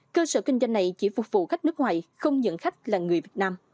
cơ sở kinh doanh này chỉ phục vụ khách nước ngoài không nhận khách là người việt nam